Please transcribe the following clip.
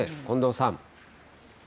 近藤さん。